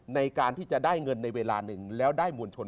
ในการที่จะได้เงินในเวลาหนึ่งแล้วได้มวลชน